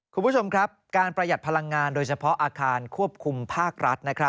คุณผู้ชมครับการประหยัดพลังงานโดยเฉพาะอาคารควบคุมภาครัฐ